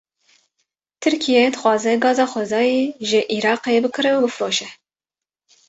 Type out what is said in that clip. Tirkiye, dixwaze gaza xwezayî ji Îraqê bikire û bifroşe